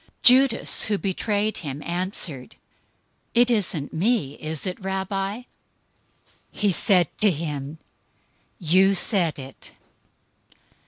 026:025 Judas, who betrayed him, answered, "It isn't me, is it, Rabbi?" He said to him, "You said it."